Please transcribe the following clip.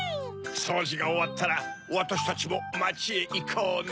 そうじがおわったらわたしたちもまちへいこうね。